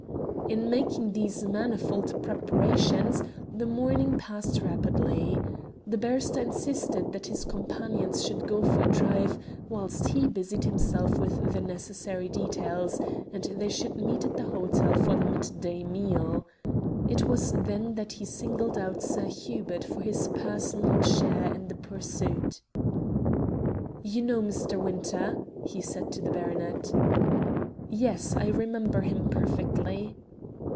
In making these manifold preparations the morning passed rapidly. The barrister insisted that his companions should go for a drive whilst he busied himself with the necessary details, and they should meet at the hotel for the midday meal. It was then that he singled out Sir Hubert for his personal share in the pursuit. "You know Mr. Winter?" he said to the baronet. "Yes, I remember him perfectly."